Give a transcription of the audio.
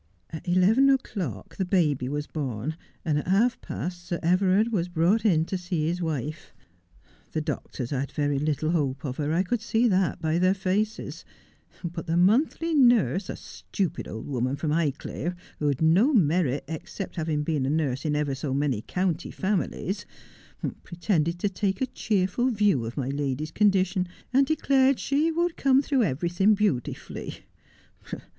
At eleven o'clock the baby was born, and at half past Sir Everard was brought in to see his wife. The doctors had very little hope of her, I could see that by their faces ; but the monthly nurse, a stupid old woman from Highclere, who had no merit except having been a nurse in ever so many county families, pretended to take a cheerful view of my lady's condition, and declared she would come through every thing beautifully.